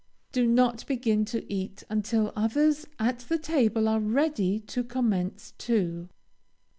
Do not begin to eat until others at the table are ready to commence too.